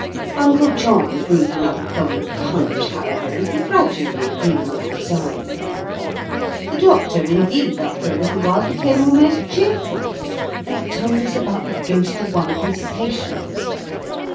Uncle John brewed another bowl of punch, however, and we gradually grew more resigned. The Doctor, indeed, after a while became almost cheerful, and told us about the ghost of one of his patients.